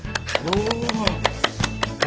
お！